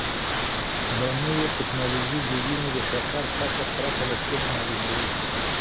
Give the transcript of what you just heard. دا نوې ټیکنالوژي د وینې د شکر کچه پرته له ستنې معلوموي.